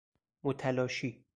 متلاشی